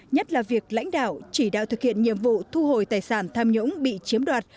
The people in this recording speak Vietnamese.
nhất là việc lãnh đạo chỉ đạo thực hiện nhiệm vụ thu hồi tài sản tham nhũng bị chiếm đoạt